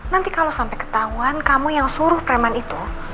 nanti kalau sampai ketahuan kamu yang suruh preman itu